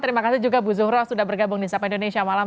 terima kasih juga bu zuhro sudah bergabung di siapa indonesia malam